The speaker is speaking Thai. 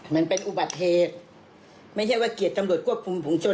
มันเป็นอุบัติเหตุไม่ใช่ว่าเกียรติตำรวจควบคุมฝุงชน